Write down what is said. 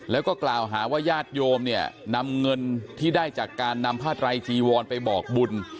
แล้วก็กล่าวหาว่าญาติโยมเนี่ยนำเงินที่ได้จากการนำผ้าไตรจีวรไปบอกบุญ